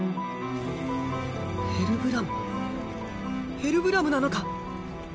ヘルブラムヘルブラムなのか？